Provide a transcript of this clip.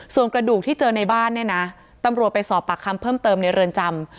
ส่วนกระดูกที่เจอในบ้านเนี่ยนะตำรวจไปสอบปากคำเพิ่มเติมในเรือนจำ